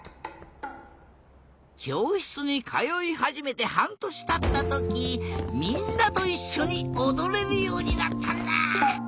きょうしつにかよいはじめてはんとしたったときみんなといっしょにおどれるようになったんだ。